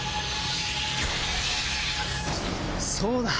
そうだ！